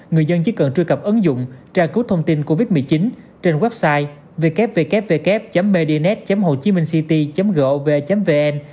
người dân chỉ cần truy cập ứng dụng tra cứu thông tin covid một mươi chín trên website www medinet hochiminhcity gov vn